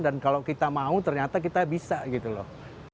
kalau kita mau ternyata kita bisa gitu loh